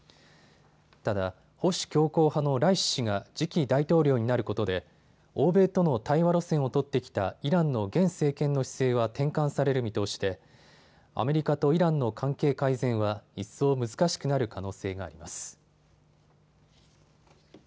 ただ、保守強硬派のライシ師が次期大統領になることで、欧米との対話路線を取ってきたイランの現政権の姿勢は転換される見通しでアメリカとイランの関係改善は、一層難しくなる可能性があります。